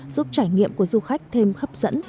giúp trải nghiệm của du khách thêm hấp dẫn